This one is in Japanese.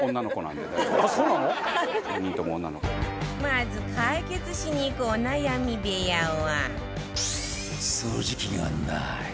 まず解決しに行くお悩み部屋は